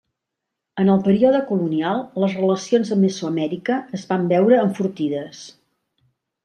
En el període Colonial, les relacions amb Mesoamèrica es van veure enfortides.